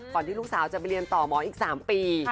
ที่ลูกสาวจะไปเรียนต่อหมออีก๓ปี